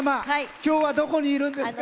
きょうは、どこにいるんですか？